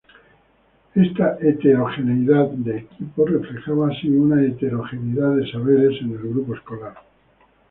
Esta heterogeneidad de equipos reflejaba así una heterogeneidad de saberes en el grupo escolar.